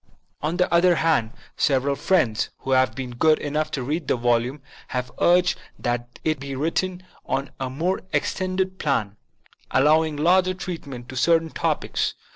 On the other hand, several friends, who have been good enough to read the volume, have urged that it be rewritten on a more extended plan, allowing larger treatment to cer tain topics.